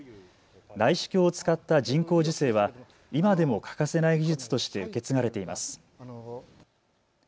内視鏡を使った人工授精は今でも欠かせない技術として受け継がれています。